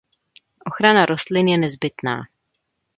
Ochrana rostlin je nezbytná.